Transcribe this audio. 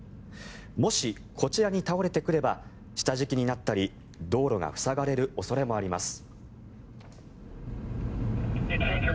もし、こちらに倒れてくれば下敷きになったり道路が塞がれる恐れもあります。